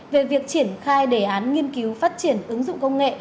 về việc triển khai đề án nghiên cứu phát triển ứng dụng công nghệ